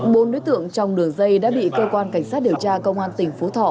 bốn đối tượng trong đường dây đã bị cơ quan cảnh sát điều tra công an tỉnh phú thọ